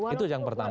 itu yang pertama